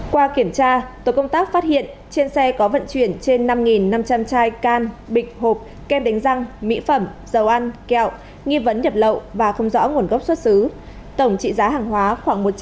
qua kiểm tra tổ công tác phát hiện trên xe có vận chuyển trên năm năm trăm linh chai can bịch hộp kem đánh răng mỹ phẩm dầu ăn kẹo nghi vấn nhập lậu và không rõ nguồn gốc xuất xứ tổng trị giá hàng hóa khoảng một trăm linh triệu đồng